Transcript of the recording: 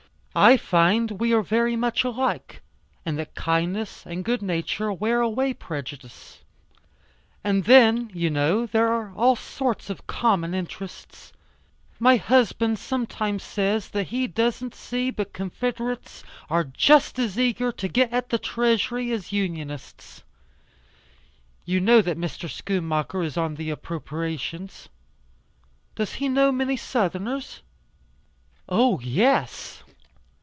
I find we are very much alike, and that kindness and good nature wear away prejudice. And then you know there are all sorts of common interests. My husband sometimes says that he doesn't see but confederates are just as eager to get at the treasury as Unionists. You know that Mr. Schoonmaker is on the appropriations." "Does he know many Southerners?" "Oh, yes.